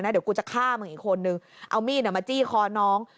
เดี๋ยวกูจะฆ่ามึงอีกคนนึงเอามีดมาจี้คอน้อง